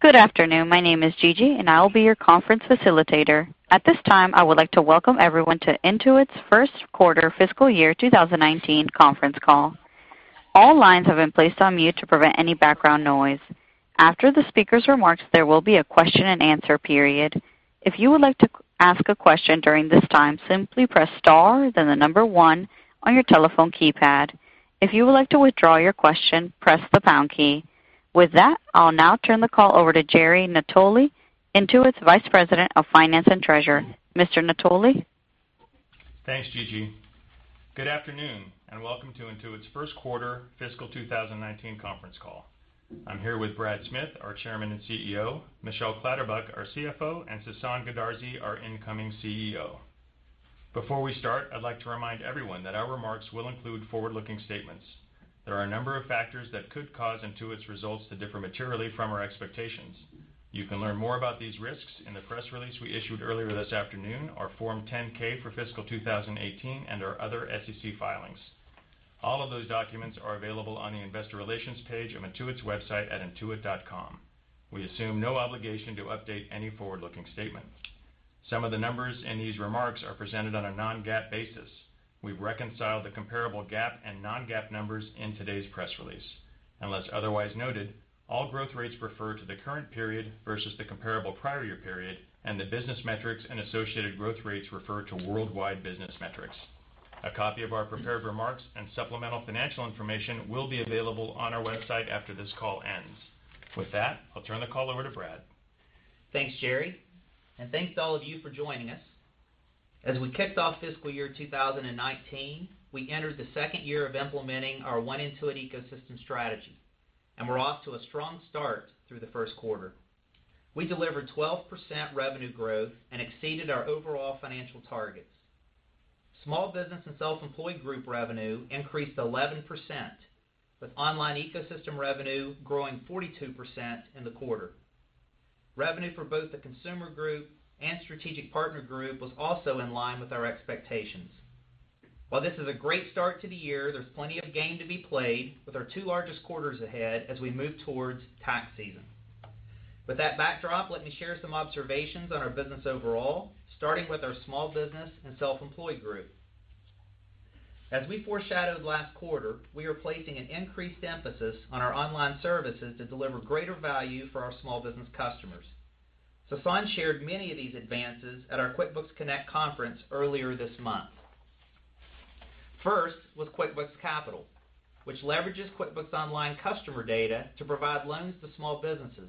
Good afternoon. My name is Gigi, and I will be your conference facilitator. At this time, I would like to welcome everyone to Intuit's first quarter fiscal year 2019 conference call. All lines have been placed on mute to prevent any background noise. After the speaker's remarks, there will be a question and answer period. If you would like to ask a question during this time, simply press star then the number 1 on your telephone keypad. If you would like to withdraw your question, press the pound key. With that, I'll now turn the call over to Jerry Natoli, Intuit's Vice President of Finance and Treasurer. Mr. Natoli? Thanks, Gigi. Good afternoon, and welcome to Intuit's first quarter fiscal 2019 conference call. I'm here with Brad Smith, our Chairman and CEO, Michelle Clatterbuck, our CFO, and Sasan Goodarzi, our incoming CEO. Before we start, I'd like to remind everyone that our remarks will include forward-looking statements. There are a number of factors that could cause Intuit's results to differ materially from our expectations. You can learn more about these risks in the press release we issued earlier this afternoon, our Form 10-K for fiscal 2018, and our other SEC filings. All of those documents are available on the investor relations page of Intuit's website at intuit.com. We assume no obligation to update any forward-looking statements. Some of the numbers in these remarks are presented on a non-GAAP basis. We've reconciled the comparable GAAP and non-GAAP numbers in today's press release. Unless otherwise noted, all growth rates refer to the current period versus the comparable prior year period, and the business metrics and associated growth rates refer to worldwide business metrics. A copy of our prepared remarks and supplemental financial information will be available on our website after this call ends. With that, I'll turn the call over to Brad. Thanks, Jerry. Thanks to all of you for joining us. As we kicked off fiscal year 2019, we entered the second year of implementing our One Intuit ecosystem strategy, and we're off to a strong start through the first quarter. We delivered 12% revenue growth and exceeded our overall financial targets. Small business and self-employed group revenue increased 11%, with online ecosystem revenue growing 42% in the quarter. Revenue for both the consumer group and strategic partner group was also in line with our expectations. While this is a great start to the year, there's plenty of game to be played with our two largest quarters ahead as we move towards tax season. With that backdrop, let me share some observations on our business overall, starting with our small business and self-employed group. As we foreshadowed last quarter, we are placing an increased emphasis on our online services to deliver greater value for our small business customers. Sasan shared many of these advances at our QuickBooks Connect conference earlier this month. First was QuickBooks Capital, which leverages QuickBooks Online customer data to provide loans to small businesses,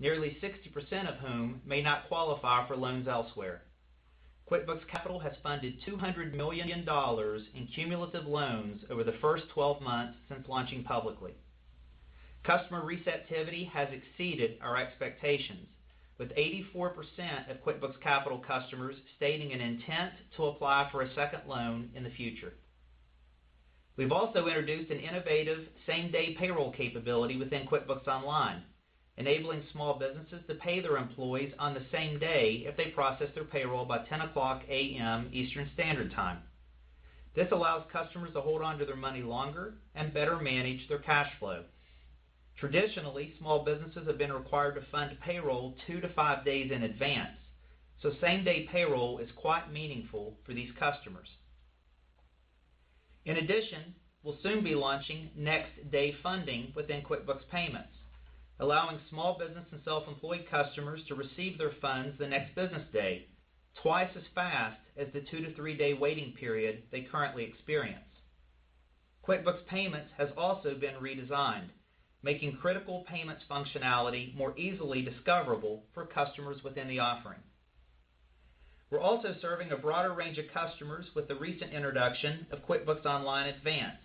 nearly 60% of whom may not qualify for loans elsewhere. QuickBooks Capital has funded $200 million in cumulative loans over the first 12 months since launching publicly. Customer receptivity has exceeded our expectations, with 84% of QuickBooks Capital customers stating an intent to apply for a second loan in the future. We've also introduced an innovative same-day payroll capability within QuickBooks Online, enabling small businesses to pay their employees on the same day if they process their payroll by 10:00 A.M. Eastern Standard Time. This allows customers to hold onto their money longer and better manage their cash flow. Traditionally, small businesses have been required to fund payroll two to five days in advance, so same-day payroll is quite meaningful for these customers. In addition, we'll soon be launching next-day funding within QuickBooks Payments, allowing small business and self-employed customers to receive their funds the next business day, twice as fast as the two-to-three-day waiting period they currently experience. QuickBooks Payments has also been redesigned, making critical payments functionality more easily discoverable for customers within the offering. We're also serving a broader range of customers with the recent introduction of QuickBooks Online Advanced.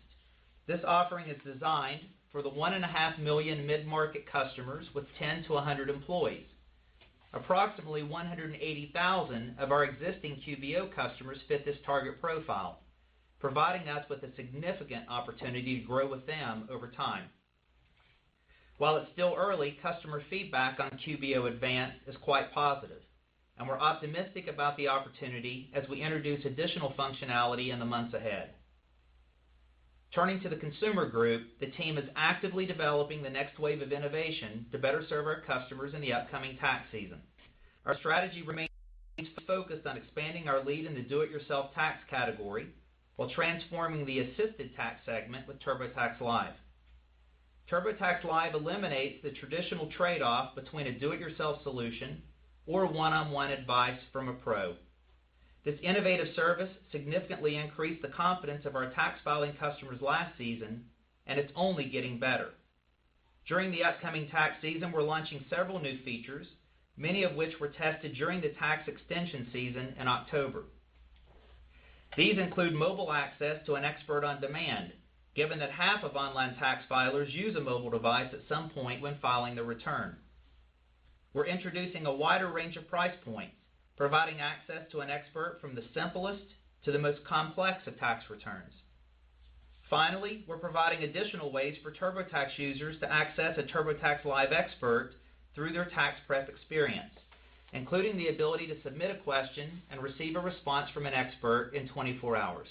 This offering is designed for the one and a half million mid-market customers with 10 to 100 employees. Approximately 180,000 of our existing QBO customers fit this target profile, providing us with a significant opportunity to grow with them over time. While it's still early, customer feedback on QBO Advanced is quite positive, and we're optimistic about the opportunity as we introduce additional functionality in the months ahead. Turning to the consumer group, the team is actively developing the next wave of innovation to better serve our customers in the upcoming tax season. Our strategy remains focused on expanding our lead in the do-it-yourself tax category while transforming the assisted tax segment with TurboTax Live. TurboTax Live eliminates the traditional trade-off between a do-it-yourself solution or one-on-one advice from a pro. This innovative service significantly increased the confidence of our tax filing customers last season, and it's only getting better. During the upcoming tax season, we're launching several new features, many of which were tested during the tax extension season in October. These include mobile access to an expert on demand, given that half of online tax filers use a mobile device at some point when filing their return. We're introducing a wider range of price points, providing access to an expert from the simplest to the most complex of tax returns. Finally, we're providing additional ways for TurboTax users to access a TurboTax Live expert through their tax prep experience, including the ability to submit a question and receive a response from an expert in 24 hours.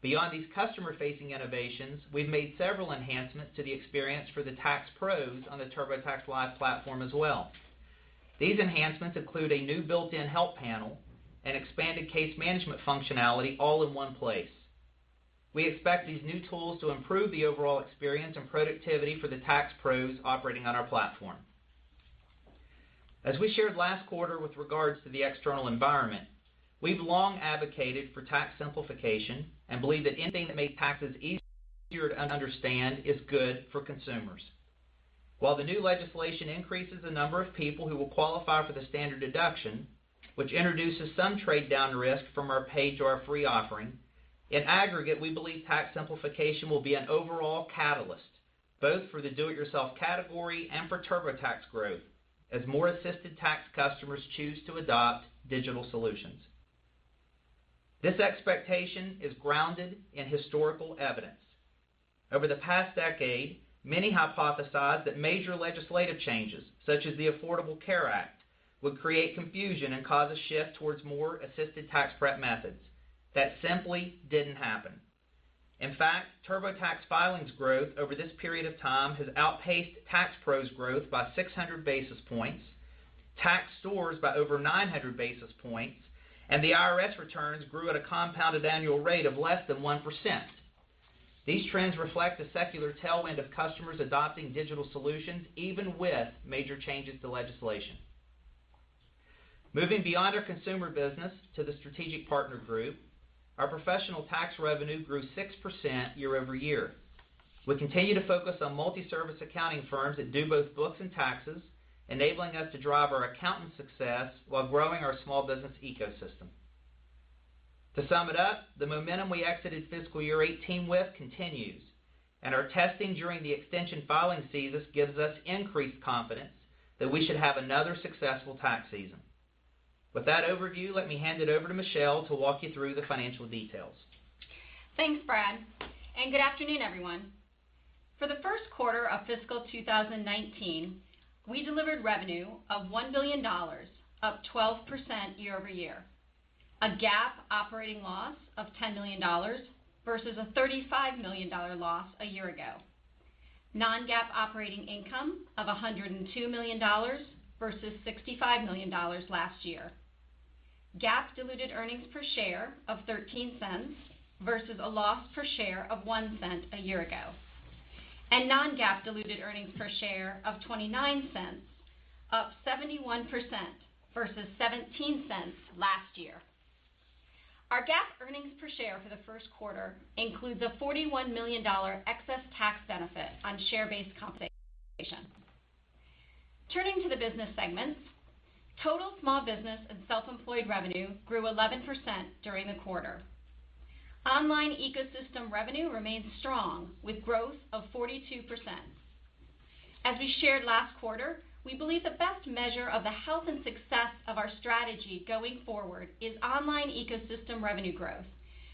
Beyond these customer-facing innovations, we've made several enhancements to the experience for the tax pros on the TurboTax Live platform as well. These enhancements include a new built-in help panel and expanded case management functionality all in one place. We expect these new tools to improve the overall experience and productivity for the tax pros operating on our platform. As we shared last quarter with regards to the external environment, we've long advocated for tax simplification and believe that anything that makes taxes easier to understand is good for consumers. While the new legislation increases the number of people who will qualify for the standard deduction, which introduces some trade-down risk from our paid to our free offering, in aggregate, we believe tax simplification will be an overall catalyst, both for the do-it-yourself category and for TurboTax growth, as more assisted tax customers choose to adopt digital solutions. This expectation is grounded in historical evidence. Over the past decade, many hypothesized that major legislative changes, such as the Affordable Care Act, would create confusion and cause a shift towards more assisted tax prep methods. That simply didn't happen. In fact, TurboTax filings growth over this period of time has outpaced tax pros growth by 600 basis points, tax stores by over 900 basis points. The IRS returns grew at a compounded annual rate of less than 1%. These trends reflect a secular tailwind of customers adopting digital solutions, even with major changes to legislation. Moving beyond our consumer business to the strategic partner group, our professional tax revenue grew 6% year-over-year. We continue to focus on multi-service accounting firms that do both books and taxes, enabling us to drive our accountant success while growing our small business ecosystem. To sum it up, the momentum we exited fiscal year 2018 with continues, and our testing during the extension filing season gives us increased confidence that we should have another successful tax season. With that overview, let me hand it over to Michelle to walk you through the financial details. Thanks, Brad, good afternoon, everyone. For the first quarter of fiscal 2019, we delivered revenue of $1 billion, up 12% year-over-year. A GAAP operating loss of $10 million versus a $35 million loss a year ago. Non-GAAP operating income of $102 million versus $65 million last year. GAAP diluted earnings per share of $0.13 versus a loss per share of $0.01 a year ago. Non-GAAP diluted earnings per share of $0.29, up 71%, versus $0.17 last year. Our GAAP earnings per share for the first quarter includes a $41 million excess tax benefit on share-based compensation. Turning to the business segments, total small business and self-employed revenue grew 11% during the quarter. Online ecosystem revenue remains strong, with growth of 42%. As we shared last quarter, we believe the best measure of the health and success of our strategy going forward is online ecosystem revenue growth,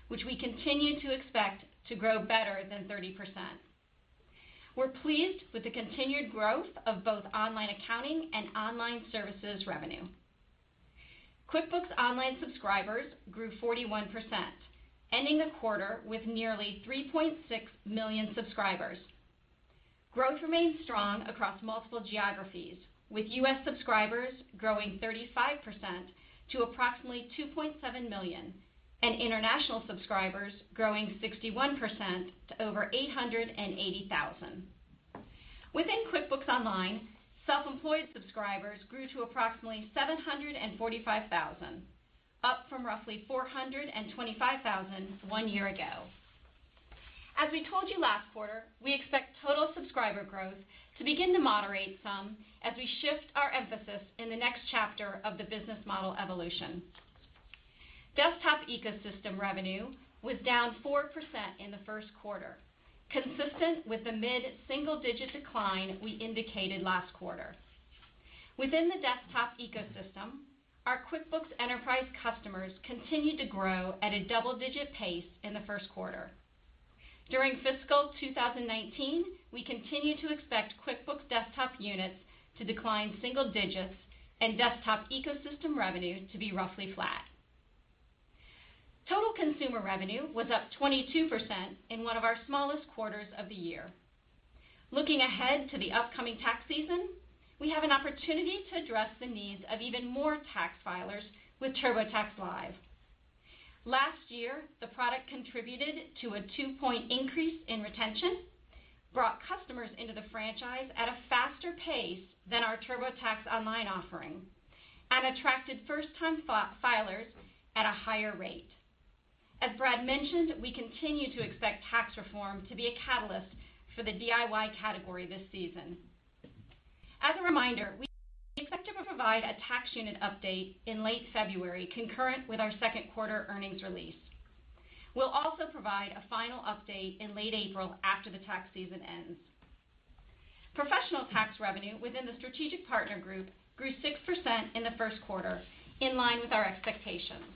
which we continue to expect to grow better than 30%. We are pleased with the continued growth of both online accounting and online services revenue. QuickBooks Online subscribers grew 41%, ending the quarter with nearly 3.6 million subscribers. Growth remains strong across multiple geographies, with U.S. subscribers growing 35% to approximately 2.7 million, and international subscribers growing 61% to over 880,000. Within QuickBooks Online, Self-Employed subscribers grew to approximately 745,000, up from roughly 425,000 one year ago. As we told you last quarter, we expect total subscriber growth to begin to moderate some as we shift our emphasis in the next chapter of the business model evolution. Desktop ecosystem revenue was down 4% in the first quarter, consistent with the mid-single-digit decline we indicated last quarter. Within the desktop ecosystem, our QuickBooks Enterprise customers continued to grow at a double-digit pace in the first quarter. During FY 2019, we continue to expect QuickBooks Desktop units to decline single digits, and desktop ecosystem revenue to be roughly flat. Total consumer revenue was up 22% in one of our smallest quarters of the year. Looking ahead to the upcoming tax season, we have an opportunity to address the needs of even more tax filers with TurboTax Live. Last year, the product contributed to a two-point increase in retention, brought customers into the franchise at a faster pace than our TurboTax Online offering, and attracted first-time filers at a higher rate. As Brad mentioned, we continue to expect tax reform to be a catalyst for the DIY category this season. As a reminder, we expect to provide a tax unit update in late February, concurrent with our second quarter earnings release. We will also provide a final update in late April after the tax season ends. Professional tax revenue within the strategic partner group grew 6% in the first quarter, in line with our expectations.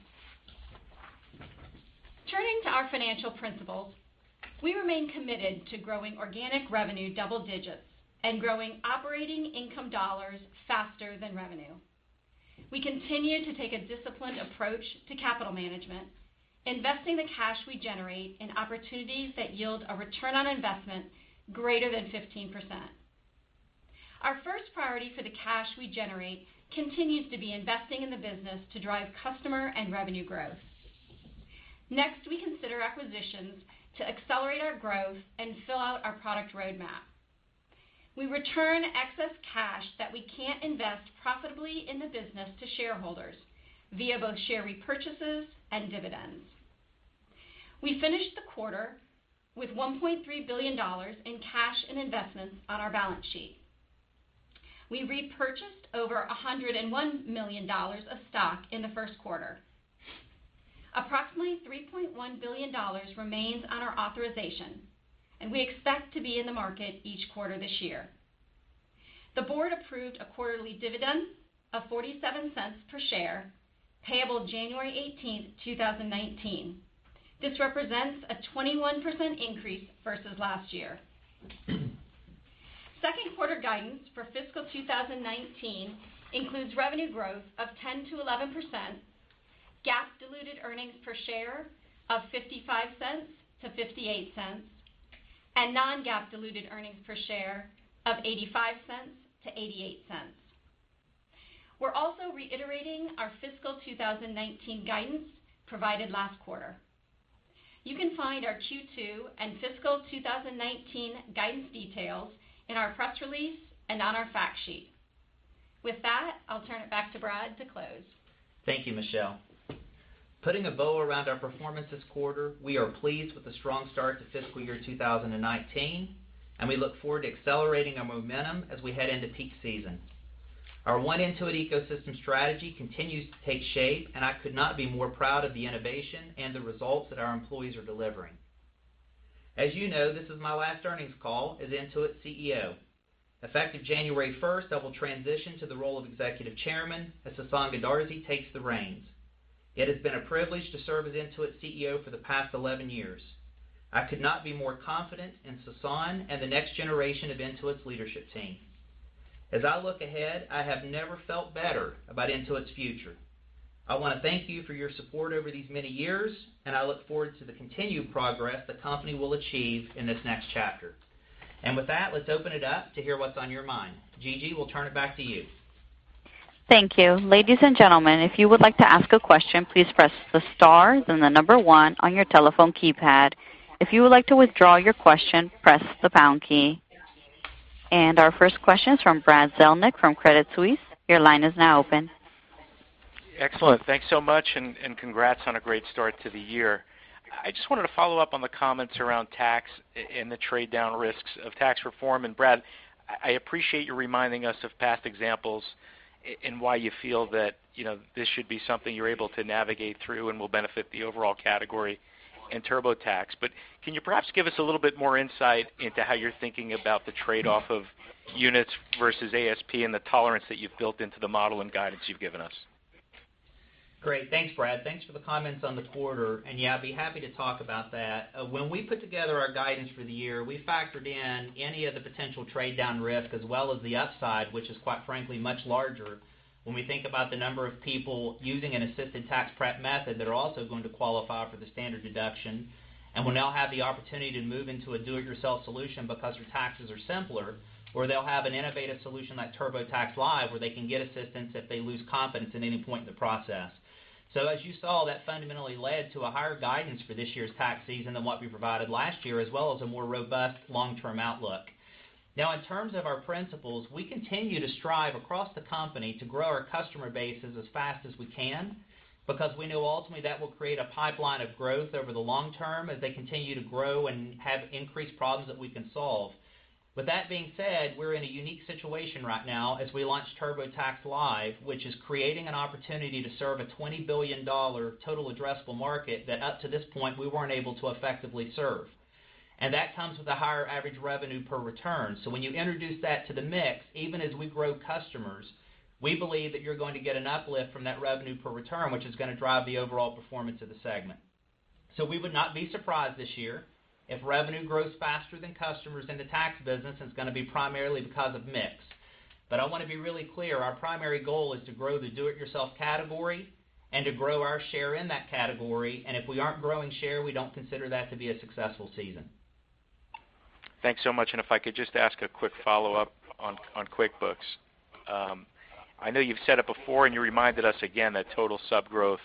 Turning to our financial principles, we remain committed to growing organic revenue double digits and growing operating income dollars faster than revenue. We continue to take a disciplined approach to capital management, investing the cash we generate in opportunities that yield a ROI greater than 15%. Our first priority for the cash we generate continues to be investing in the business to drive customer and revenue growth. Next, we consider acquisitions to accelerate our growth and fill out our product roadmap. We return excess cash that we cannot invest profitably in the business to shareholders via both share repurchases and dividends. We finished the quarter with $1.3 billion in cash and investments on our balance sheet. We repurchased over $101 million of stock in the first quarter. Approximately $3.1 billion remains on our authorization, and we expect to be in the market each quarter this year. The board approved a quarterly dividend of $0.47 per share, payable January 18, 2019. This represents a 21% increase versus last year. Second quarter guidance for FY 2019 includes revenue growth of 10%-11%, GAAP diluted earnings per share of $0.55-$0.58, and non-GAAP diluted earnings per share of $0.85-$0.88. We are also reiterating our FY 2019 guidance provided last quarter. You can find our Q2 and fiscal 2019 guidance details in our press release and on our fact sheet. With that, I'll turn it back to Brad to close. Thank you, Michelle. Putting a bow around our performance this quarter, we are pleased with the strong start to fiscal year 2019, and we look forward to accelerating our momentum as we head into peak season. Our One Intuit ecosystem strategy continues to take shape, and I could not be more proud of the innovation and the results that our employees are delivering. As you know, this is my last earnings call as Intuit's CEO. Effective January 1st, I will transition to the role of executive chairman as Sasan Goodarzi takes the reins. It has been a privilege to serve as Intuit's CEO for the past 11 years. I could not be more confident in Sasan and the next generation of Intuit's leadership team. As I look ahead, I have never felt better about Intuit's future. I want to thank you for your support over these many years, and I look forward to the continued progress the company will achieve in this next chapter. With that, let's open it up to hear what's on your mind. Gigi, we'll turn it back to you. Thank you. Ladies and gentlemen, if you would like to ask a question, please press the star then the number 1 on your telephone keypad. If you would like to withdraw your question, press the pound key. Our first question is from Brad Zelnick from Credit Suisse. Your line is now open. Excellent. Thanks so much. Congrats on a great start to the year. I just wanted to follow up on the comments around tax and the trade down risks of tax reform. Brad, I appreciate you reminding us of past examples and why you feel that this should be something you're able to navigate through and will benefit the overall category in TurboTax. Can you perhaps give us a little bit more insight into how you're thinking about the trade-off of units versus ASP and the tolerance that you've built into the model and guidance you've given us? Great. Thanks, Brad. Thanks for the comments on the quarter. Yeah, I'd be happy to talk about that. When we put together our guidance for the year, we factored in any of the potential trade down risk as well as the upside, which is, quite frankly, much larger when we think about the number of people using an assisted tax prep method that are also going to qualify for the standard deduction and will now have the opportunity to move into a do-it-yourself solution because their taxes are simpler, or they'll have an innovative solution like TurboTax Live where they can get assistance if they lose confidence in any point in the process. As you saw, that fundamentally led to a higher guidance for this year's tax season than what we provided last year, as well as a more robust long-term outlook. Now, in terms of our principles, we continue to strive across the company to grow our customer bases as fast as we can because we know ultimately that will create a pipeline of growth over the long term as they continue to grow and have increased problems that we can solve. With that being said, we're in a unique situation right now as we launch TurboTax Live, which is creating an opportunity to serve a $20 billion total addressable market that up to this point, we weren't able to effectively serve. That comes with a higher average revenue per return. When you introduce that to the mix, even as we grow customers, we believe that you're going to get an uplift from that revenue per return, which is going to drive the overall performance of the segment. We would not be surprised this year if revenue grows faster than customers in the tax business, it's going to be primarily because of mix. I want to be really clear, our primary goal is to grow the do-it-yourself category and to grow our share in that category. If we aren't growing share, we don't consider that to be a successful season. Thanks so much. If I could just ask a quick follow-up on QuickBooks. I know you've said it before, and you reminded us again that total sub growth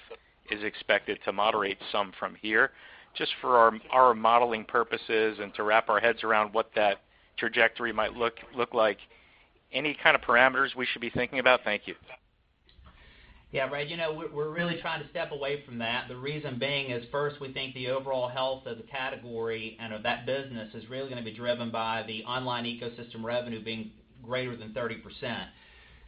is expected to moderate some from here. Just for our modeling purposes and to wrap our heads around what that trajectory might look like, any kind of parameters we should be thinking about? Thank you. Yeah, Brad, we're really trying to step away from that. The reason being is first, we think the overall health of the category and of that business is really going to be driven by the online ecosystem revenue being greater than 30%.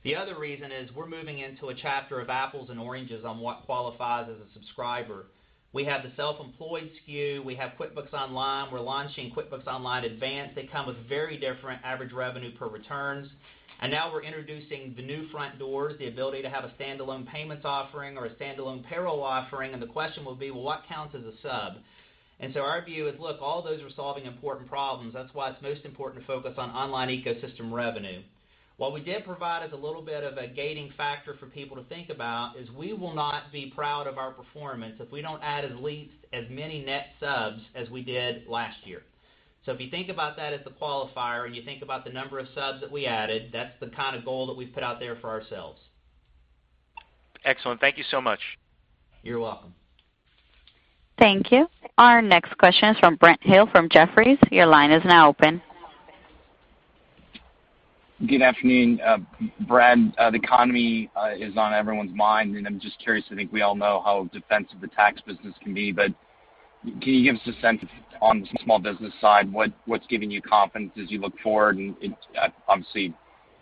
The other reason is we're moving into a chapter of apples and oranges on what qualifies as a subscriber. We have the self-employed SKU, we have QuickBooks Online, we're launching QuickBooks Online Advanced. They come with very different average revenue per user. Now we're introducing the new front doors, the ability to have a standalone payments offering or a standalone payroll offering. The question will be, well, what counts as a sub? Our view is, look, all those are solving important problems. That's why it's most important to focus on online ecosystem revenue. What we did provide is a little bit of a gating factor for people to think about, is we will not be proud of our performance if we don't add at least as many net subs as we did last year. If you think about that as the qualifier, and you think about the number of subs that we added, that's the kind of goal that we've put out there for ourselves. Excellent. Thank you so much. You're welcome. Thank you. Our next question is from Brent Thill, from Jefferies. Your line is now open. Good afternoon. Brad, the economy is on everyone's mind. I'm just curious, I think we all know how defensive the tax business can be, but can you give us a sense on the small business side, what's giving you confidence as you look forward? Obviously,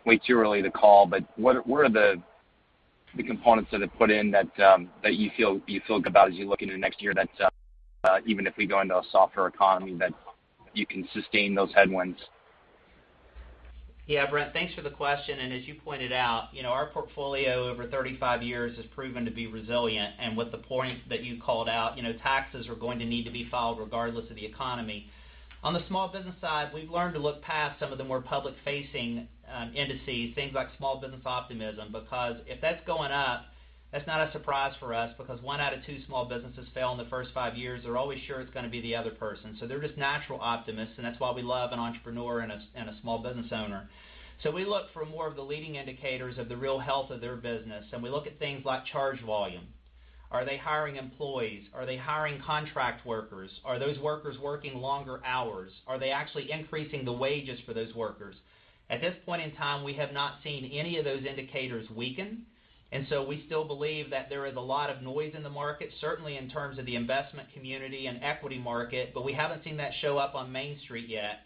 way too early to call, but what are the components that are put in that you feel good about as you look into next year that, even if we go into a softer economy, that you can sustain those headwinds? Yeah, Brent, thanks for the question. As you pointed out, our portfolio over 35 years has proven to be resilient. With the points that you called out, taxes are going to need to be filed regardless of the economy. On the small business side, we've learned to look past some of the more public-facing indices, things like small business optimism, because if that's going up, that's not a surprise for us, because one out of two small businesses fail in the first five years. They're always sure it's going to be the other person. They're just natural optimists, and that's why we love an entrepreneur and a small business owner. We look for more of the leading indicators of the real health of their business, and we look at things like charge volume. Are they hiring employees? Are they hiring contract workers? Are those workers working longer hours? Are they actually increasing the wages for those workers? At this point in time, we have not seen any of those indicators weaken. We still believe that there is a lot of noise in the market, certainly in terms of the investment community and equity market. We haven't seen that show up on Main Street yet.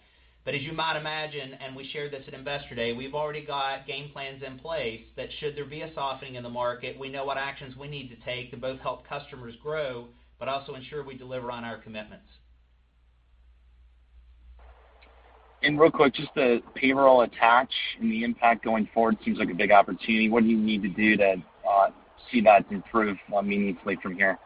As you might imagine, and we shared this at Investor Day, we've already got game plans in place that should there be a softening in the market, we know what actions we need to take to both help customers grow, but also ensure we deliver on our commitments. Real quick, just the payroll attach and the impact going forward seems like a big opportunity. What do you need to do to see that improve more meaningfully from here?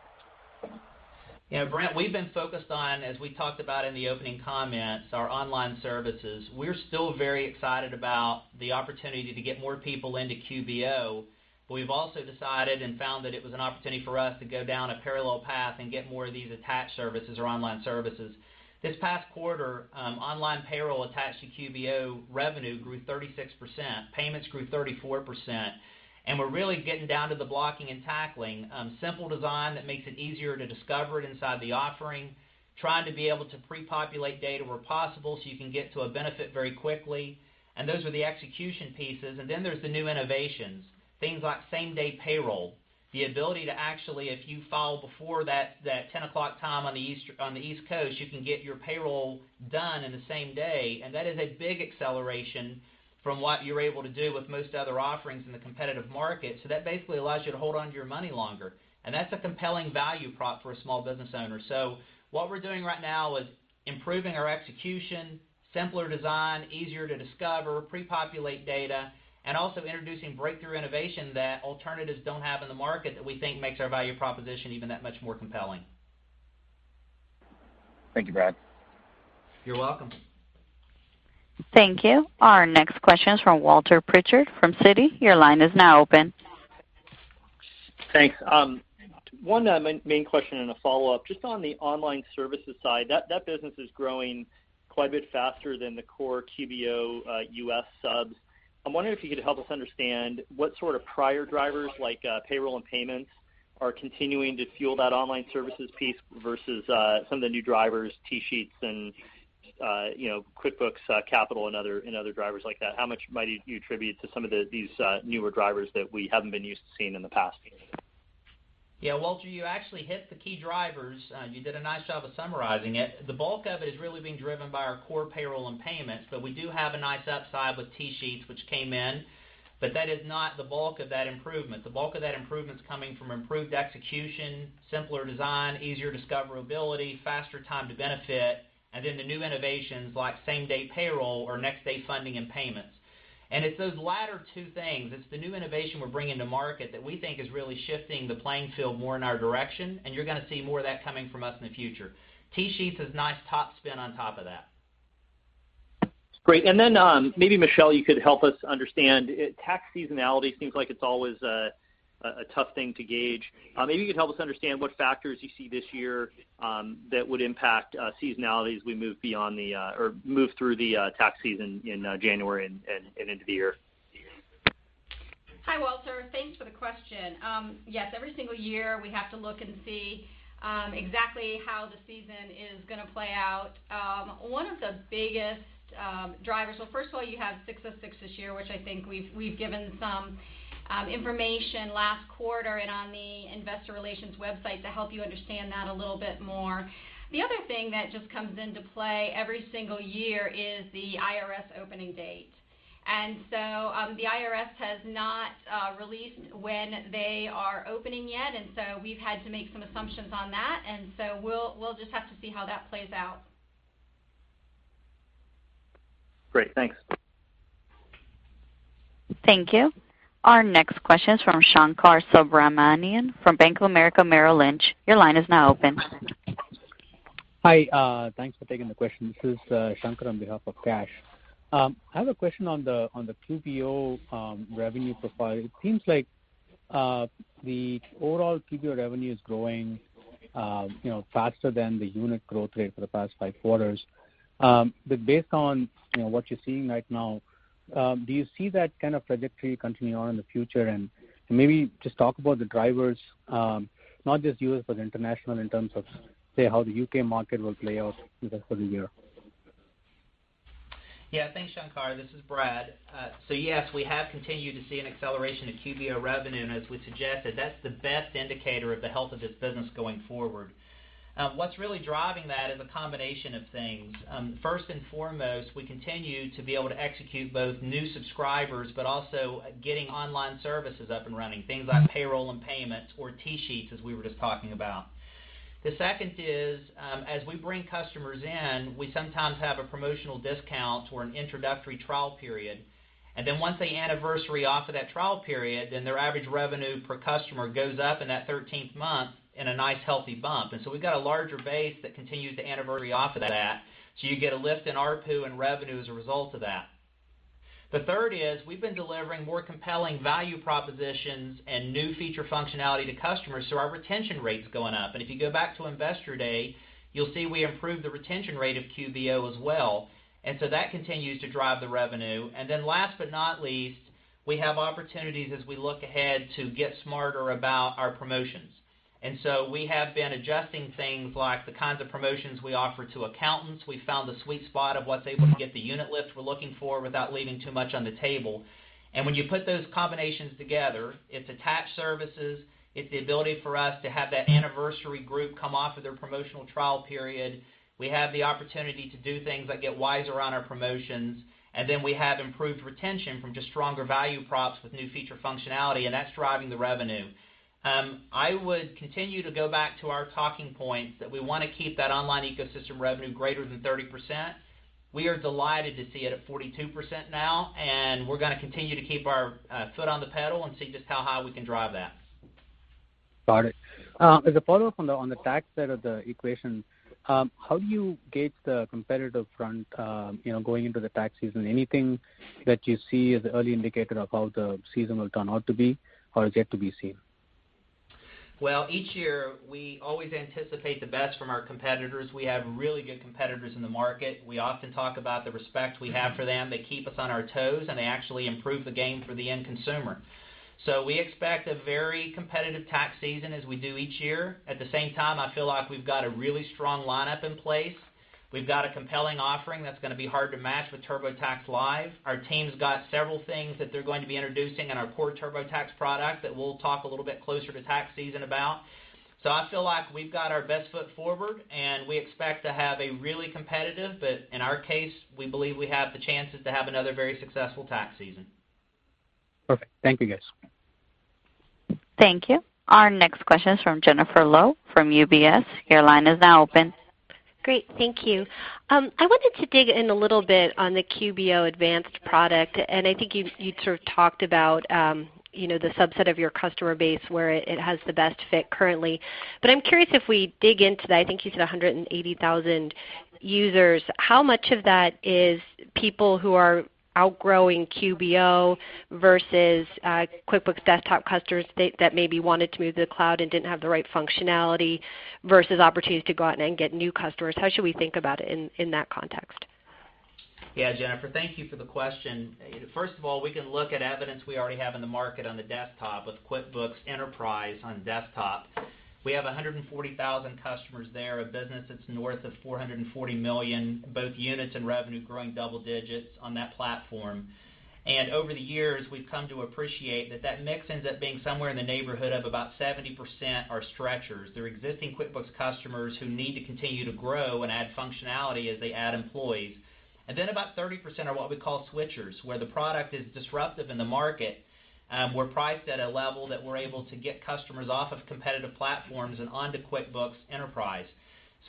Brent, we've been focused on, as we talked about in the opening comments, our online services. We're still very excited about the opportunity to get more people into QBO, but we've also decided and found that it was an opportunity for us to go down a parallel path and get more of these attached services or online services. This past quarter, online payroll attached to QBO revenue grew 36%, payments grew 34%. We're really getting down to the blocking and tackling. Simple design that makes it easier to discover it inside the offering, trying to be able to pre-populate data where possible so you can get to a benefit very quickly. Those are the execution pieces. Then there's the new innovations, things like same-day payroll, the ability to actually, if you file before that 10:00 time on the East Coast, you can get your payroll done in the same day. That is a big acceleration from what you're able to do with most other offerings in the competitive market. That basically allows you to hold onto your money longer. That's a compelling value prop for a small business owner. What we're doing right now is improving our execution, simpler design, easier to discover, pre-populate data, and also introducing breakthrough innovation that alternatives don't have in the market that we think makes our value proposition even that much more compelling. Thank you, Brad. You're welcome. Thank you. Our next question is from Walter Pritchard from Citi. Your line is now open. Thanks. One main question and a follow-up. Just on the online services side, that business is growing quite a bit faster than the core QBO U.S. subs. I'm wondering if you could help us understand what sort of prior drivers, like payroll and payments, are continuing to fuel that online services piece versus some of the new drivers, TSheets and QuickBooks Capital and other drivers like that. How much might you attribute to some of these newer drivers that we haven't been used to seeing in the past? Yeah, Walter, you actually hit the key drivers. You did a nice job of summarizing it. The bulk of it is really being driven by our core payroll and payments, but we do have a nice upside with TSheets, which came in. That is not the bulk of that improvement. The bulk of that improvement's coming from improved execution, simpler design, easier discoverability, faster time to benefit, and then the new innovations like same-day payroll or next-day funding and payments. It's those latter two things, it's the new innovation we're bringing to market that we think is really shifting the playing field more in our direction, and you're going to see more of that coming from us in the future. TSheets is nice top spin on top of that. Great. Then, maybe Michelle, you could help us understand. Tax seasonality seems like it's always a tough thing to gauge. Maybe you could help us understand what factors you see this year that would impact seasonality as we move through the tax season in January and into the year. Hi, Walter. Thanks for the question. Yes, every single year, we have to look and see exactly how the season is going to play out. One of the biggest drivers. First of all, you have six of six this year, which I think we've given some information last quarter and on the investor relations website to help you understand that a little bit more. The other thing that just comes into play every single year is the IRS opening date. The IRS has not released when they are opening yet, so we've had to make some assumptions on that, so we'll just have to see how that plays out. Great. Thanks. Thank you. Our next question is from Shankar Subramanian from Bank of America Merrill Lynch. Your line is now open. Hi, thanks for taking the question. This is Shankar on behalf of Kash. I have a question on the QBO revenue profile. It seems like the overall QBO revenue is growing faster than the unit growth rate for the past five quarters. Based on what you're seeing right now, do you see that kind of trajectory continuing on in the future? Maybe just talk about the drivers, not just U.S., but international in terms of, say, how the U.K. market will play out in the coming year. Yeah. Thanks, Shankar. This is Brad. Yes, we have continued to see an acceleration in QBO revenue, and as we suggested, that's the best indicator of the health of this business going forward. What's really driving that is a combination of things. First and foremost, we continue to be able to execute both new subscribers, but also getting online services up and running, things like payroll and payments or TSheets, as we were just talking about. The second is, as we bring customers in, we sometimes have a promotional discount or an introductory trial period, and then once they anniversary off of that trial period, their average revenue per customer goes up in that 13th month in a nice, healthy bump. We've got a larger base that continues to anniversary off of that, so you get a lift in ARPU and revenue as a result of that. The third is we've been delivering more compelling value propositions and new feature functionality to customers, so our retention rate's going up. If you go back to Investor Day, you'll see we improved the retention rate of QBO as well. That continues to drive the revenue. Last but not least, we have opportunities as we look ahead to get smarter about our promotions. We have been adjusting things like the kinds of promotions we offer to accountants. We found the sweet spot of what's able to get the unit lifts we're looking for without leaving too much on the table. When you put those combinations together, it's attached services, it's the ability for us to have that anniversary group come off of their promotional trial period. We have the opportunity to do things that get wiser on our promotions, and then we have improved retention from just stronger value props with new feature functionality, and that's driving the revenue. I would continue to go back to our talking points that we want to keep that online ecosystem revenue greater than 30%. We are delighted to see it at 42% now, and we're going to continue to keep our foot on the pedal and see just how high we can drive that. Got it. As a follow-up on the tax side of the equation, how do you gauge the competitive front going into the tax season? Anything that you see as a early indicator of how the season will turn out to be or is yet to be seen? Well, each year, we always anticipate the best from our competitors. We have really good competitors in the market. We often talk about the respect we have for them. They keep us on our toes, and they actually improve the game for the end consumer. We expect a very competitive tax season as we do each year. At the same time, I feel like we've got a really strong lineup in place. We've got a compelling offering that's going to be hard to match with TurboTax Live. Our team's got several things that they're going to be introducing in our core TurboTax product that we'll talk a little bit closer to tax season about. I feel like we've got our best foot forward, and we expect to have a really competitive, but in our case, we believe we have the chances to have another very successful tax season. Perfect. Thank you, guys. Thank you. Our next question is from Jennifer Lowe from UBS. Your line is now open. Great. Thank you. I wanted to dig in a little on the QBO Advanced product, and I think you sort of talked about the subset of your customer base where it has the best fit currently. I'm curious if we dig into that, I think you said 180,000 users, how much of that is people who are outgrowing QBO versus QuickBooks Desktop customers that maybe wanted to move to the cloud and didn't have the right functionality versus opportunities to go out and get new customers? How should we think about it in that context? Yeah, Jennifer, thank you for the question. First of all, we can look at evidence we already have in the market on the desktop with QuickBooks Enterprise on desktop. We have 140,000 customers there, a business that's north of $440 million, both units and revenue growing double digits on that platform. Over the years, we've come to appreciate that that mix ends up being somewhere in the neighborhood of about 70% are stretchers. They're existing QuickBooks customers who need to continue to grow and add functionality as they add employees. Then about 30% are what we call switchers, where the product is disruptive in the market. We're priced at a level that we're able to get customers off of competitive platforms and onto QuickBooks Enterprise.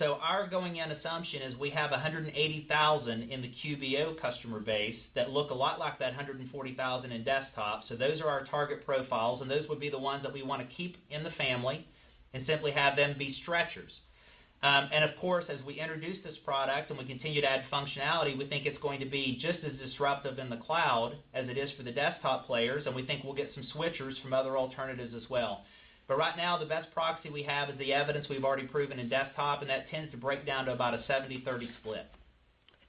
Our going-in assumption is we have 180,000 in the QBO customer base that look a lot like that 140,000 in desktop. Those are our target profiles, and those would be the ones that we want to keep in the family and simply have them be stretchers. Of course, as we introduce this product and we continue to add functionality, we think it's going to be just as disruptive in the cloud as it is for the desktop players, and we think we'll get some switchers from other alternatives as well. Right now, the best proxy we have is the evidence we've already proven in desktop, and that tends to break down to about a 70/30 split.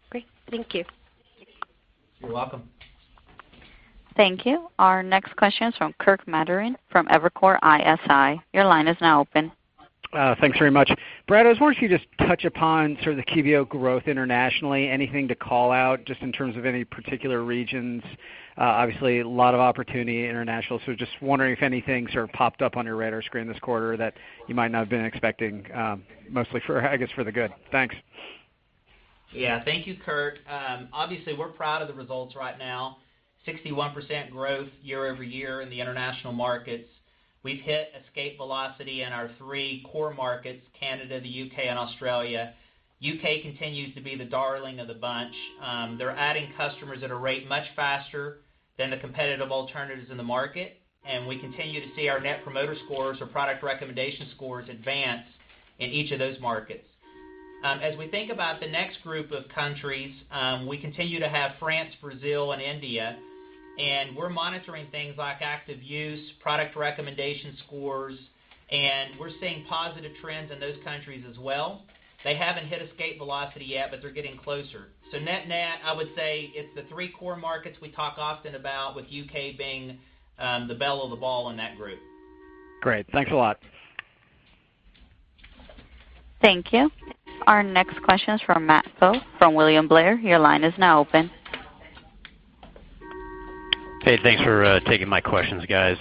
Great. Thank you. You're welcome. Thank you. Our next question is from Kirk Materne from Evercore ISI. Your line is now open. Thanks very much. Brad, I was wondering if you could just touch upon sort of the QBO growth internationally. Anything to call out just in terms of any particular regions? Obviously, a lot of opportunity international, so just wondering if anything sort of popped up on your radar screen this quarter that you might not have been expecting, mostly, I guess, for the good. Thanks. Yeah. Thank you, Kirk. Obviously, we're proud of the results right now, 61% growth year-over-year in the international markets. We've hit escape velocity in our three core markets, Canada, the U.K., and Australia. The U.K. continues to be the darling of the bunch. They're adding customers at a rate much faster than the competitive alternatives in the market, and we continue to see our net promoter scores or product recommendation scores advance in each of those markets. As we think about the next group of countries, we continue to have France, Brazil, and India, and we're monitoring things like active use, product recommendation scores, and we're seeing positive trends in those countries as well. They haven't hit escape velocity yet, but they're getting closer. Net-net, I would say it's the three core markets we talk often about, with the U.K. being the belle of the ball in that group. Great. Thanks a lot. Thank you. Our next question is from Matthew Pfau from William Blair. Your line is now open. Hey, thanks for taking my questions, guys.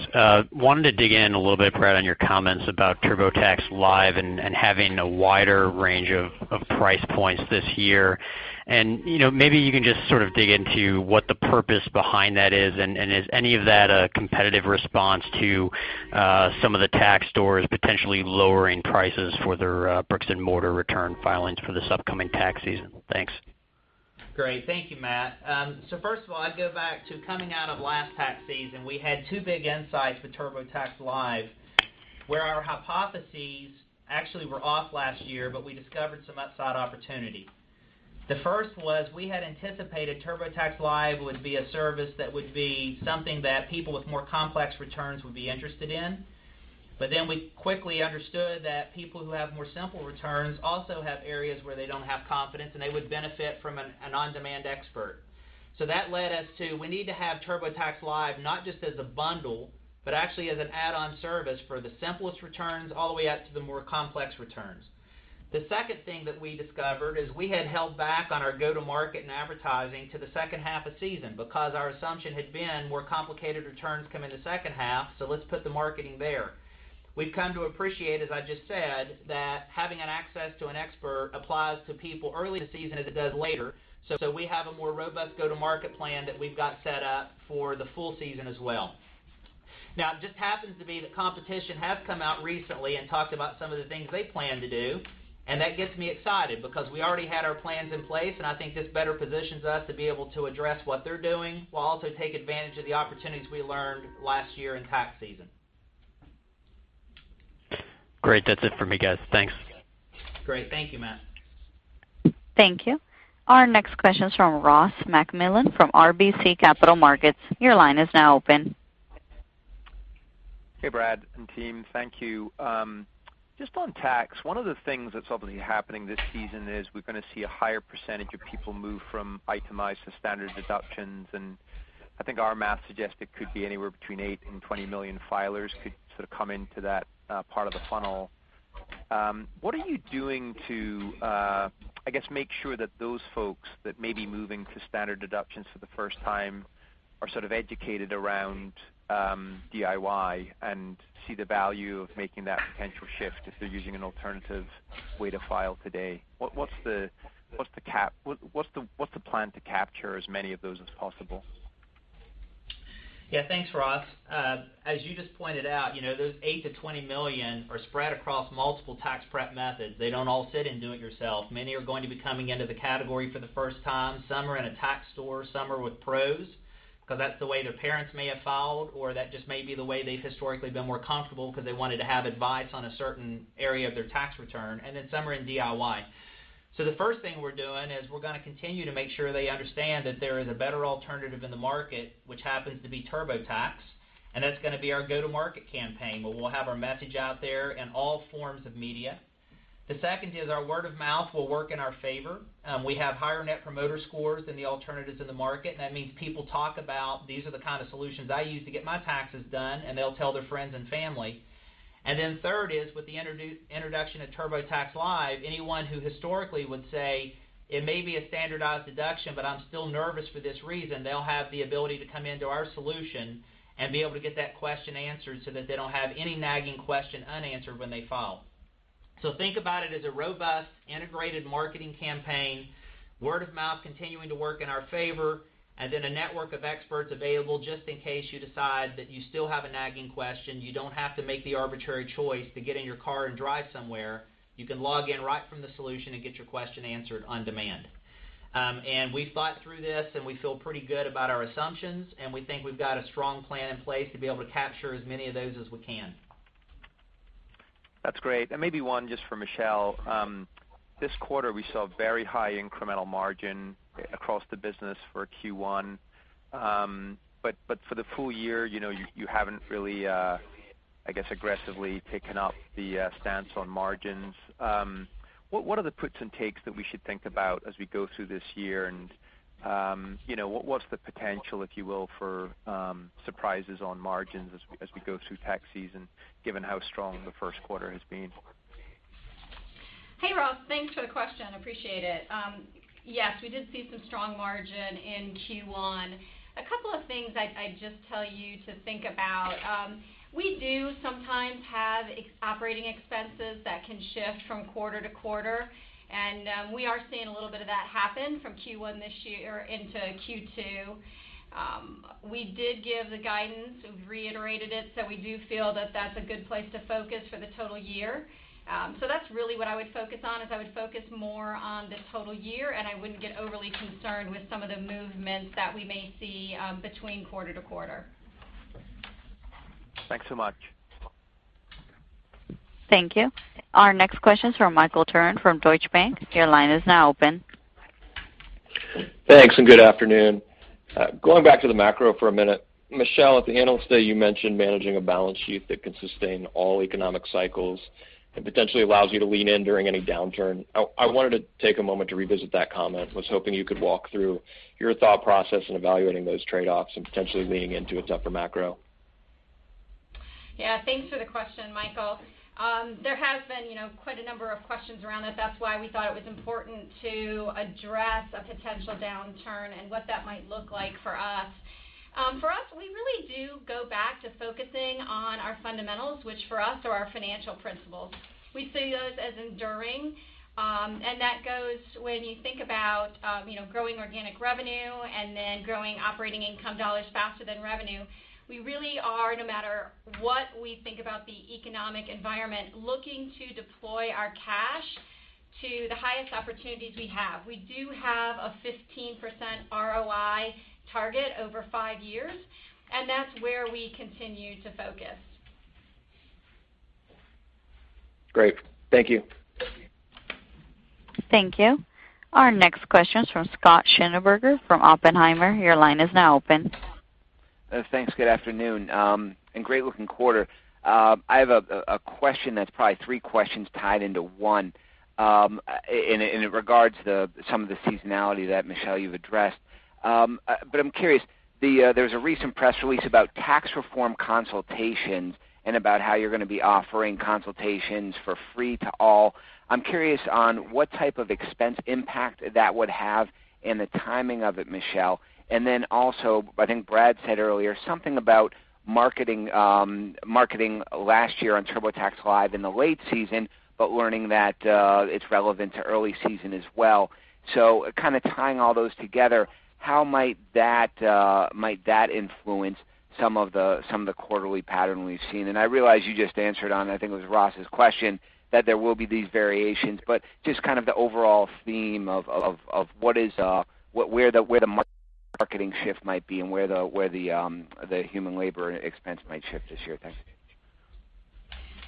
Wanted to dig in a little bit, Brad, on your comments about TurboTax Live and having a wider range of price points this year. Maybe you can just sort of dig into what the purpose behind that is. Is any of that a competitive response to some of the tax stores potentially lowering prices for their bricks-and-mortar return filings for this upcoming tax season? Thanks. Great. Thank you, Matt. First of all, I'd go back to coming out of last tax season, we had two big insights for TurboTax Live, where our hypotheses actually were off last year, but we discovered some upside opportunity. The first was we had anticipated TurboTax Live would be a service that would be something that people with more complex returns would be interested in. We quickly understood that people who have more simple returns also have areas where they don't have confidence, and they would benefit from an on-demand expert. That led us to, we need to have TurboTax Live not just as a bundle, but actually as an add-on service for the simplest returns all the way up to the more complex returns. The second thing that we discovered is we had held back on our go-to-market and advertising to the second half of season because our assumption had been more complicated returns come in the second half, let's put the marketing there. We've come to appreciate, as I just said, that having an access to an expert applies to people early in the season as it does later. We have a more robust go-to-market plan that we've got set up for the full season as well. It just happens to be that competition has come out recently and talked about some of the things they plan to do, and that gets me excited because we already had our plans in place, and I think this better positions us to be able to address what they're doing while also take advantage of the opportunities we learned last year in tax season. Great. That's it for me, guys. Thanks. Great. Thank you, Matt. Thank you. Our next question is from Ross MacMillan from RBC Capital Markets. Your line is now open. Hey, Brad and team. Thank you. Just on tax, one of the things that's obviously happening this season is we're going to see a higher percentage of people move from itemized to standard deductions, and I think our math suggests it could be anywhere between 8 and 20 million filers could sort of come into that part of the funnel. What are you doing to, I guess, make sure that those folks that may be moving to standard deductions for the first time are sort of educated around DIY and see the value of making that potential shift if they're using an alternative way to file today? What's the plan to capture as many of those as possible? Yeah, thanks, Ross. As you just pointed out, those 8 to 20 million are spread across multiple tax prep methods. They don't all sit in do it yourself. Many are going to be coming into the category for the first time. Some are in a tax store, some are with pros, because that's the way their parents may have filed, or that just may be the way they've historically been more comfortable because they wanted to have advice on a certain area of their tax return, and then some are in DIY. The first thing we're doing is we're going to continue to make sure they understand that there is a better alternative in the market, which happens to be TurboTax, and that's going to be our go-to-market campaign, where we'll have our message out there in all forms of media. The second is our word of mouth will work in our favor. We have higher net promoter scores than the alternatives in the market, that means people talk about, "These are the kind of solutions I use to get my taxes done," and they'll tell their friends and family. Third is with the introduction of TurboTax Live, anyone who historically would say, "It may be a standardized deduction, but I'm still nervous for this reason," they'll have the ability to come into our solution and be able to get that question answered so that they don't have any nagging question unanswered when they file. Think about it as a robust, integrated marketing campaign, word of mouth continuing to work in our favor, and then a network of experts available just in case you decide that you still have a nagging question. You don't have to make the arbitrary choice to get in your car and drive somewhere. You can log in right from the solution and get your question answered on demand. We've thought through this, and we feel pretty good about our assumptions, and we think we've got a strong plan in place to be able to capture as many of those as we can. That's great. Maybe one just for Michelle. This quarter, we saw very high incremental margin across the business for Q1. For the full year, you haven't really, I guess, aggressively taken up the stance on margins. What are the puts and takes that we should think about as we go through this year, and what's the potential, if you will, for surprises on margins as we go through tax season, given how strong the first quarter has been? Hey, Ross. Thanks for the question. Appreciate it. We did see some strong margin in Q1. A couple of things I'd just tell you to think about. We do sometimes have operating expenses that can shift from quarter to quarter, and we are seeing a little bit of that happen from Q1 this year into Q2. We did give the guidance, we've reiterated it, we do feel that that's a good place to focus for the total year. That's really what I would focus on, is I would focus more on the total year, and I wouldn't get overly concerned with some of the movements that we may see between quarter to quarter. Thanks so much. Thank you. Our next question is from Michael Turrin from Deutsche Bank. Your line is now open. Thanks. Good afternoon. Going back to the macro for a minute. Michelle, at the Investor Day, you mentioned managing a balance sheet that can sustain all economic cycles and potentially allows you to lean in during any downturn. I wanted to take a moment to revisit that comment. Was hoping you could walk through your thought process in evaluating those trade-offs and potentially leaning into a tougher macro. Yeah. Thanks for the question, Michael. There has been quite a number of questions around it. That's why we thought it was important to address a potential downturn and what that might look like for us. For us, we really do go back to focusing on our fundamentals, which for us are our financial principles. We see those as enduring, and that goes when you think about growing organic revenue and then growing operating income dollars faster than revenue. We really are, no matter what we think about the economic environment, looking to deploy our cash to the highest opportunities we have. We do have a 15% ROI target over five years, and that's where we continue to focus. Great. Thank you. Thank you. Our next question is from Scott Schneeberger from Oppenheimer. Your line is now open. Thanks, good afternoon. Great looking quarter. I have a question that's probably three questions tied into one in regards some of the seasonality that, Michelle, you've addressed. But I'm curious, there's a recent press release about tax reform consultations and about how you're going to be offering consultations for free to all. I'm curious on what type of expense impact that would have and the timing of it, Michelle. Also, I think Brad said earlier something about marketing last year on TurboTax Live in the late season, but learning that it's relevant to early season as well. Kind of tying all those together, how might that influence some of the quarterly pattern we've seen? I realize you just answered on, I think it was Ross's question, that there will be these variations, but just kind of the overall theme of where the marketing shift might be and where the human labor and expense might shift this year. Thanks.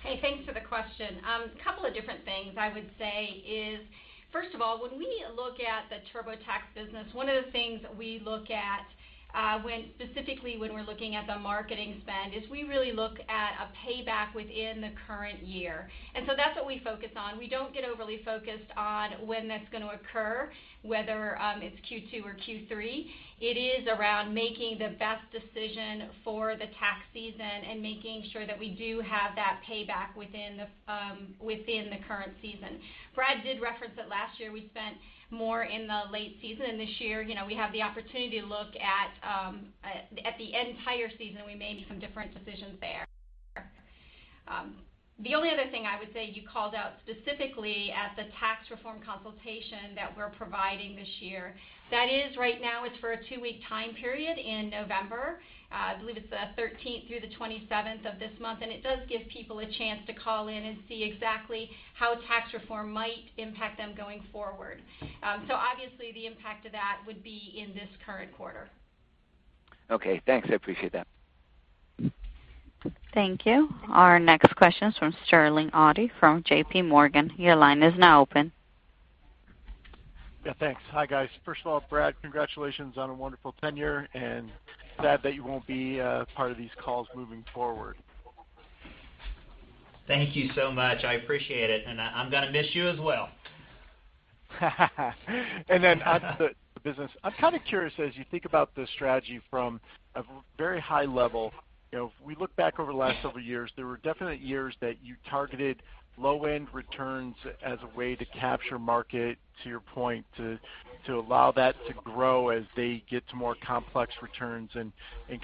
Hey, thanks for the question. Couple of different things I would say is, first of all, when we look at the TurboTax business, one of the things we look at specifically when we're looking at the marketing spend, is we really look at a payback within the current year. That's what we focus on. We don't get overly focused on when that's going to occur, whether it's Q2 or Q3. It is around making the best decision for the tax season and making sure that we do have that payback within the current season. Brad did reference that last year, we spent more in the late season, and this year, we have the opportunity to look at the entire season, we made some different decisions there. The only other thing I would say you called out specifically at the tax reform consultation that we're providing this year. That is right now, it's for a two-week time period in November. I believe it's the 13th through the 27th of this month. It does give people a chance to call in and see exactly how tax reform might impact them going forward. Obviously, the impact of that would be in this current quarter. Okay, thanks. I appreciate that. Thank you. Our next question is from Sterling Auty from J.P. Morgan. Your line is now open. Thanks. Hi, guys. First of all, Brad, congratulations on a wonderful tenure, and sad that you won't be a part of these calls moving forward. Thank you so much. I appreciate it. I'm going to miss you as well. Onto the business. I'm kind of curious, as you think about the strategy from a very high level, if we look back over the last several years, there were definite years that you targeted low-end returns as a way to capture market, to your point, to allow that to grow as they get to more complex returns and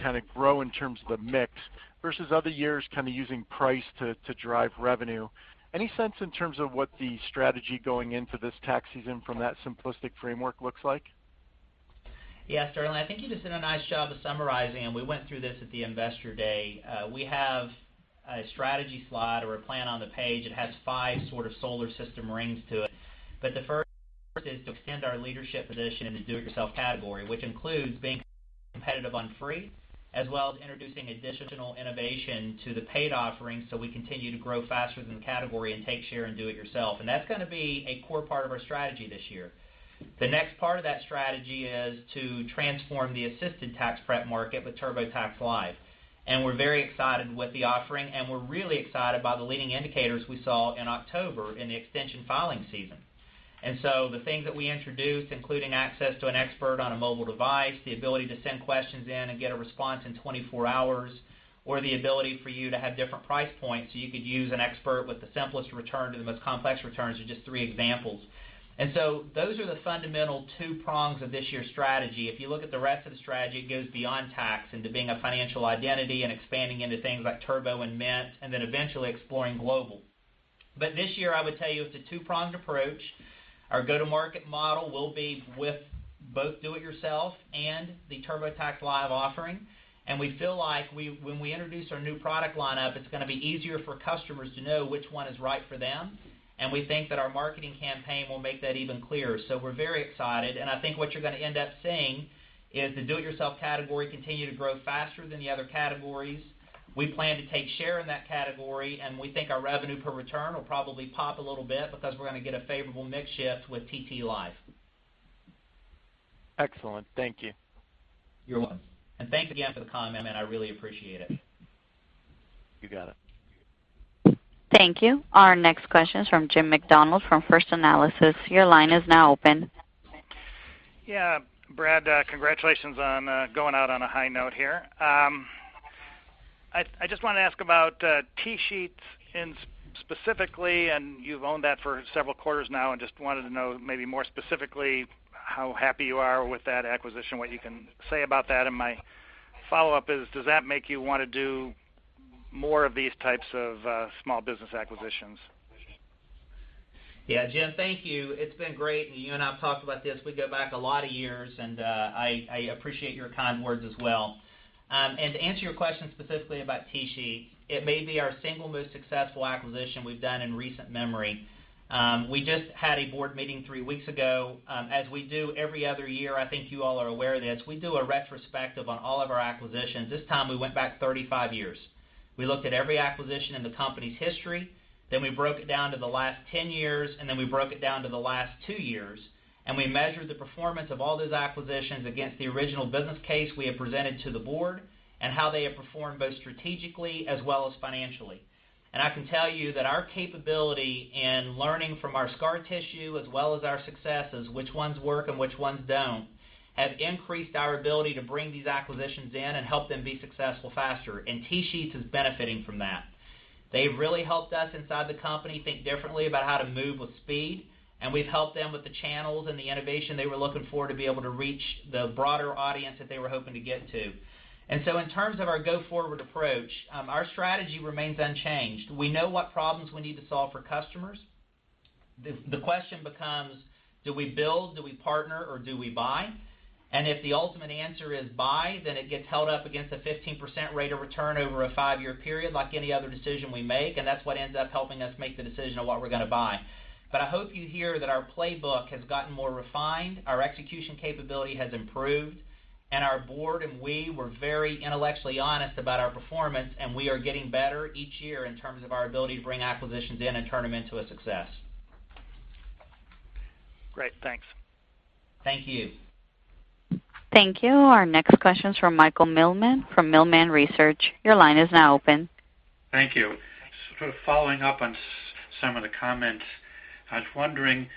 kind of grow in terms of the mix. Versus other years, kind of using price to drive revenue. Any sense in terms of what the strategy going into this tax season from that simplistic framework looks like? Sterling, I think you just did a nice job of summarizing, and we went through this at the Investor Day. We have a strategy slide or a plan on the page. It has five sort of solar system rings to it. The first is to extend our leadership position in the do-it-yourself category, which includes being competitive on free, as well as introducing additional innovation to the paid offerings so we continue to grow faster than the category and take share in do it yourself. That's going to be a core part of our strategy this year. The next part of that strategy is to transform the assisted tax prep market with TurboTax Live. We're very excited with the offering, we're really excited about the leading indicators we saw in October in the extension filing season. The things that we introduced, including access to an expert on a mobile device, the ability to send questions in and get a response in 24 hours, or the ability for you to have different price points so you could use an expert with the simplest return to the most complex returns, are just three examples. Those are the fundamental two prongs of this year's strategy. If you look at the rest of the strategy, it goes beyond tax into being a financial identity and expanding into things like Turbo and Mint, then eventually exploring global. This year, I would tell you, it's a two-pronged approach. Our go-to-market model will be with both do it yourself and the TurboTax Live offering. We feel like when we introduce our new product lineup, it's going to be easier for customers to know which one is right for them. We think that our marketing campaign will make that even clearer. We're very excited. I think what you're going to end up seeing is the do it yourself category continue to grow faster than the other categories. We plan to take share in that category, and we think our revenue per return will probably pop a little bit because we're going to get a favorable mix shift with TT Live. Excellent. Thank you. You're welcome. Thanks again for the comment, man. I really appreciate it. You got it. Thank you. Our next question is from Jim Macdonald from First Analysis. Your line is now open. Yeah. Brad, congratulations on going out on a high note here. I just want to ask about TSheets specifically, and you've owned that for several quarters now, and just wanted to know maybe more specifically how happy you are with that acquisition, what you can say about that. My follow-up is, does that make you want to do more of these types of small business acquisitions? Yeah. Jim, thank you. It's been great, and you and I have talked about this. We go back a lot of years, and I appreciate your kind words as well. To answer your question specifically about TSheets, it may be our single most successful acquisition we've done in recent memory. We just had a board meeting three weeks ago, as we do every other year. I think you all are aware of this. We do a retrospective on all of our acquisitions. This time, we went back 35 years. We looked at every acquisition in the company's history, then we broke it down to the last 10 years, and then we broke it down to the last two years, and we measured the performance of all those acquisitions against the original business case we had presented to the board and how they have performed both strategically as well as financially. I can tell you that our capability in learning from our scar tissue as well as our successes, which ones work and which ones don't, has increased our ability to bring these acquisitions in and help them be successful faster, and TSheets is benefiting from that. They've really helped us inside the company think differently about how to move with speed, and we've helped them with the channels and the innovation they were looking for to be able to reach the broader audience that they were hoping to get to. In terms of our go forward approach, our strategy remains unchanged. We know what problems we need to solve for customers. The question becomes, do we build, do we partner, or do we buy? If the ultimate answer is buy, then it gets held up against a 15% rate of return over a five-year period like any other decision we make, and that's what ends up helping us make the decision on what we're going to buy. I hope you hear that our playbook has gotten more refined, our execution capability has improved, and our board and we were very intellectually honest about our performance, and we are getting better each year in terms of our ability to bring acquisitions in and turn them into a success. Great. Thanks. Thank you. Thank you. Our next question is from Michael Millman from Millman Research. Your line is now open. Thank you. Sort of following up on some of the comments, I was wondering,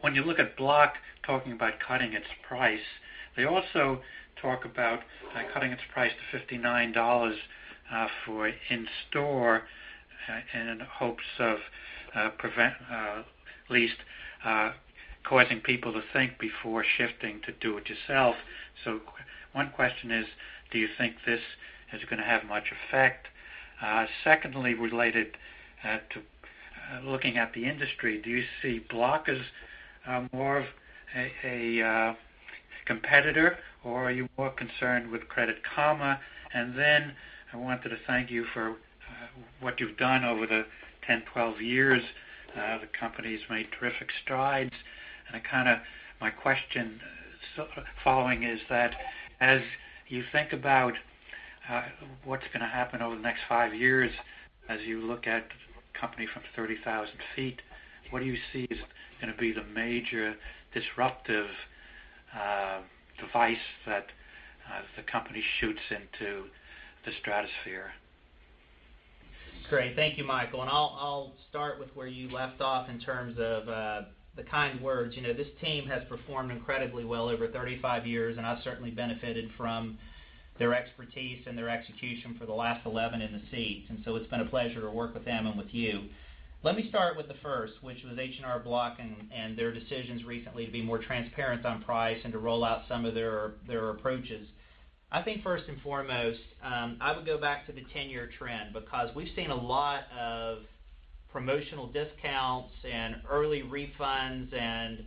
when you look at Block talking about cutting its price, they also talk about cutting its price to $59 for in-store in hopes of at least causing people to think before shifting to do it yourself. One question is, do you think this is going to have much effect? Secondly, related to looking at the industry, do you see Block as more of a competitor, or are you more concerned with Credit Karma? And then I wanted to thank you for what you've done over the 10, 12 years. The company's made terrific strides. My question following is that as you think about what's going to happen over the next five years, as you look at the company from 30,000 feet, what do you see is going to be the major disruptive device that the company shoots into the stratosphere? Great. Thank you, Michael. I'll start with where you left off in terms of the kind words. This team has performed incredibly well over 35 years, and I've certainly benefited from their expertise and their execution for the last 11 in the seat. It's been a pleasure to work with them and with you. Let me start with the first, which was H&R Block and their decisions recently to be more transparent on price and to roll out some of their approaches. I think first and foremost, I would go back to the 10-year trend because we've seen a lot of promotional discounts and early refunds and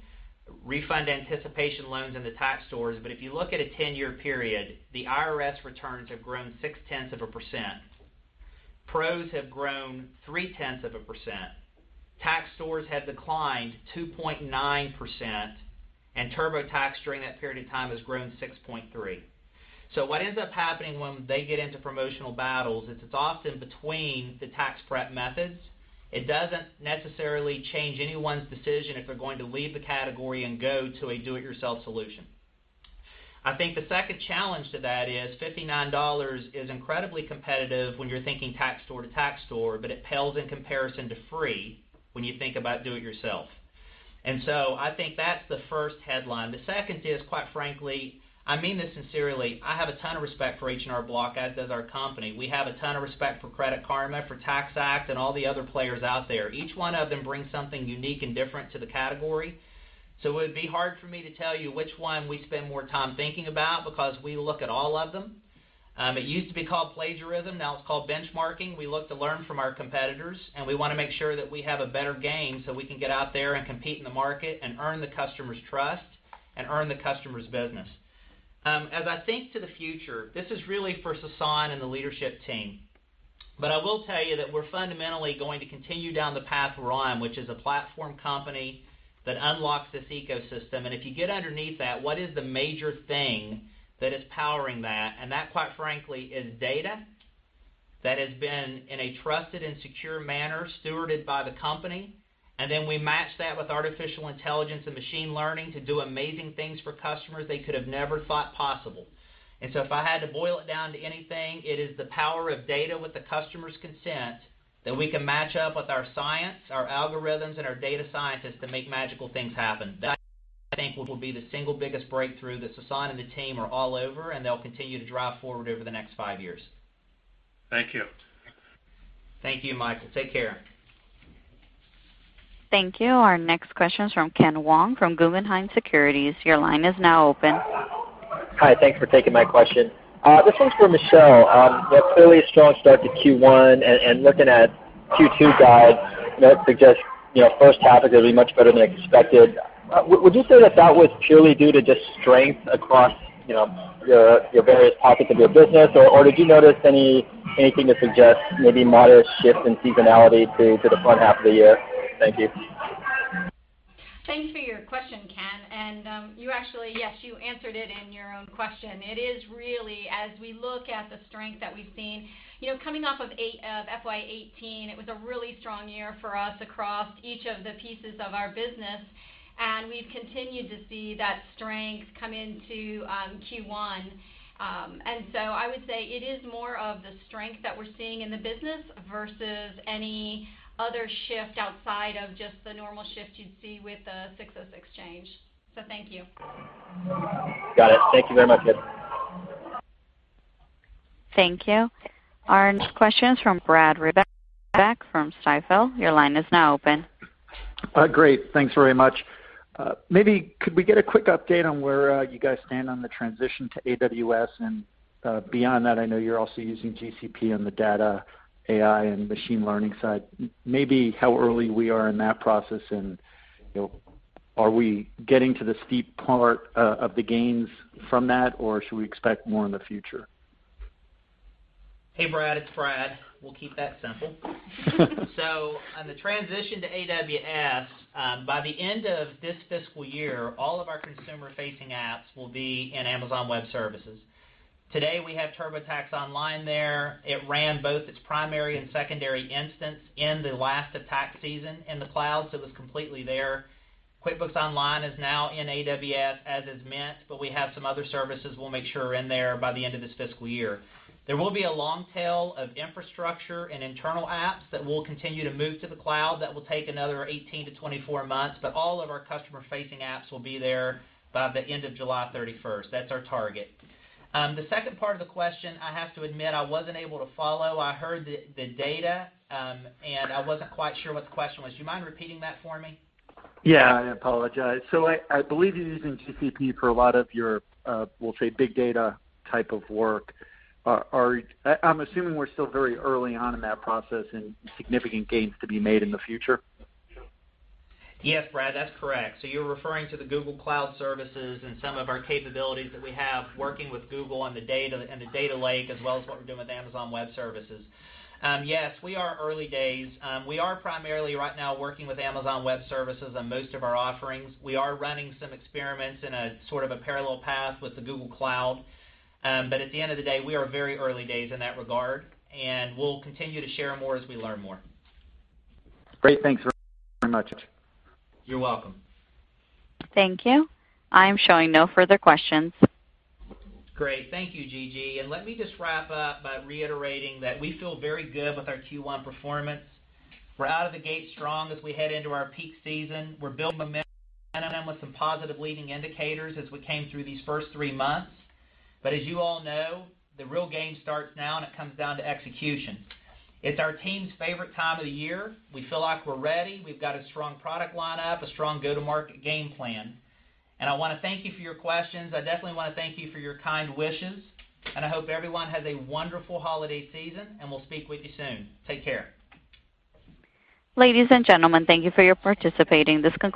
refund anticipation loans in the tax stores. If you look at a 10-year period, the IRS returns have grown six-tenths of a %. Pros have grown three-tenths of a %. Tax stores have declined 2.9%, TurboTax during that period of time has grown 6.3%. What ends up happening when they get into promotional battles is it's often between the tax prep methods. It doesn't necessarily change anyone's decision if they're going to leave the category and go to a do it yourself solution. I think the second challenge to that is $59 is incredibly competitive when you're thinking tax door to tax door, but it pales in comparison to free when you think about do it yourself. I think that's the first headline. The second is, quite frankly, I mean this sincerely, I have a ton of respect for H&R Block, as does our company. We have a ton of respect for Credit Karma, for TaxAct, and all the other players out there. Each one of them brings something unique and different to the category. It would be hard for me to tell you which one we spend more time thinking about because we look at all of them. It used to be called plagiarism, now it's called benchmarking. We look to learn from our competitors, and we want to make sure that we have a better game so we can get out there and compete in the market and earn the customer's trust and earn the customer's business. As I think to the future, this is really for Sasan and the leadership team. I will tell you that we're fundamentally going to continue down the path we're on, which is a platform company that unlocks this ecosystem. If you get underneath that, what is the major thing that is powering that? That, quite frankly, is data that has been in a trusted and secure manner stewarded by the company, and then we match that with artificial intelligence and machine learning to do amazing things for customers they could have never thought possible. If I had to boil it down to anything, it is the power of data with the customer's consent that we can match up with our science, our algorithms, and our data scientists to make magical things happen. That, I think, will be the single biggest breakthrough that Sasan and the team are all over, and they'll continue to drive forward over the next five years. Thank you. Thank you, Michael. Take care. Thank you. Our next question is from Kenneth Wong from Guggenheim Securities. Your line is now open. Hi, thanks for taking my question. This one's for Michelle. You had clearly a strong start to Q1, and looking at Q2 guide, that suggests first half is going to be much better than expected. Would you say that was purely due to just strength across your various topics of your business, or did you notice anything that suggests maybe moderate shift in seasonality to the front half of the year? Thank you. Thanks for your question, Ken, and you actually, yes, you answered it in your own question. It is really as we look at the strength that we've seen, coming off of FY 2018, it was a really strong year for us across each of the pieces of our business, and we've continued to see that strength come into Q1. I would say it is more of the strength that we're seeing in the business versus any other shift outside of just the normal shift you'd see with a 606 change. Thank you. Got it. Thank you very much. Thank you. Our next question is from Brad Reback from Stifel. Your line is now open. Great. Thanks very much. Maybe could we get a quick update on where you guys stand on the transition to AWS and beyond that, I know you're also using GCP on the data, AI, and machine learning side. Maybe how early we are in that process and are we getting to the steep part of the gains from that, or should we expect more in the future? Hey, Brad, it's Brad. We'll keep that simple. On the transition to AWS, by the end of this fiscal year, all of our consumer-facing apps will be in Amazon Web Services. Today, we have TurboTax Online there. It ran both its primary and secondary instance in the last of tax season in the cloud, so it was completely there. QuickBooks Online is now in AWS, as is Mint, but we have some other services we'll make sure are in there by the end of this fiscal year. There will be a long tail of infrastructure and internal apps that will continue to move to the cloud. That will take another 18 to 24 months, but all of our customer-facing apps will be there by the end of July 31st. That's our target. The second part of the question, I have to admit, I wasn't able to follow. I heard the data, I wasn't quite sure what the question was. Do you mind repeating that for me? Yeah, I apologize. I believe you're using GCP for a lot of your, we'll say, big data type of work. I'm assuming we're still very early on in that process and significant gains to be made in the future? Yes, Brad, that's correct. You're referring to the Google Cloud services and some of our capabilities that we have working with Google on the data and the data lake, as well as what we're doing with Amazon Web Services. Yes, we are early days. We are primarily right now working with Amazon Web Services on most of our offerings. We are running some experiments in a sort of a parallel path with the Google Cloud. At the end of the day, we are very early days in that regard, and we'll continue to share more as we learn more. Great. Thanks very much. You're welcome. Thank you. I am showing no further questions. Great. Thank you, Gigi. Let me just wrap up by reiterating that we feel very good with our Q1 performance. We're out of the gate strong as we head into our peak season. We're building momentum with some positive leading indicators as we came through these first three months. As you all know, the real game starts now and it comes down to execution. It's our team's favorite time of the year. We feel like we're ready. We've got a strong product line-up, a strong go-to-market game plan. I want to thank you for your questions. I definitely want to thank you for your kind wishes, and I hope everyone has a wonderful holiday season, and we'll speak with you soon. Take care. Ladies and gentlemen, thank you for your participating. This concludes-